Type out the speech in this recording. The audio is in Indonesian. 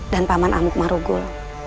dan paman amuk marugul